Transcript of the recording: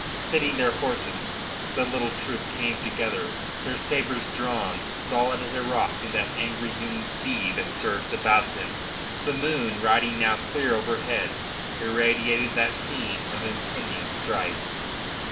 Sitting their horses, the little troop came together, their sabres drawn, solid as a rock in that angry human sea that surged about them. The moon riding now clear overhead irradiated that scene of impending strife.